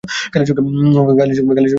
খালি চোখে কিছুই দেখা যাচ্ছিল না।